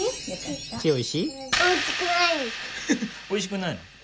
おいしくないの？